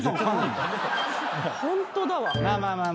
ホントだわ。